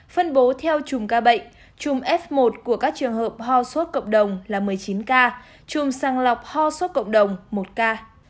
phân bố theo chùm ca bệnh chùm f một của các trường hợp ho sốt cộng đồng là một mươi chín ca trùm sang lọc ho sốt cộng đồng một ca